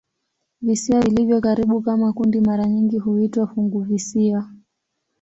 Visiwa vilivyo karibu kama kundi mara nyingi huitwa "funguvisiwa".